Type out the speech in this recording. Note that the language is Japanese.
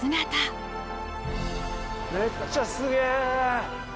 めっちゃすげえ！